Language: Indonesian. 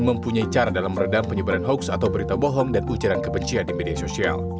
mempunyai cara dalam meredam penyebaran hoax atau berita bohong dan ujaran kebencian di media sosial